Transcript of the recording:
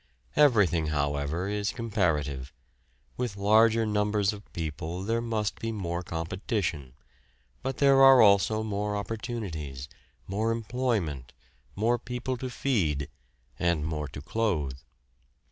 Everything, however, is comparative. With larger numbers of people there must be more competition, but there are also more opportunities, more employment, more people to feed, and more to clothe.